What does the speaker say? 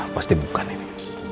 pasti bukan ini